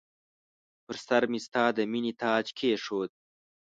پر سرمې ستا د مییني تاج کښېښود